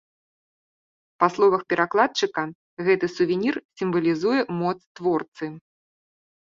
Па словах перакладчыка, гэты сувенір сімвалізуе моц творцы.